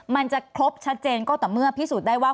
มันจะครบชัดเจนก็แต่เมื่อพิสูจน์ได้ว่า